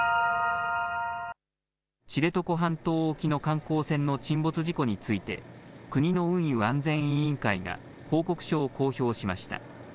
知床半島沖の観光船の沈没事故について、国の運輸安全委員会が報告書を公表しました。